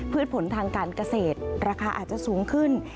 ผลทางการเกษตรราคาอาจจะสูงขึ้น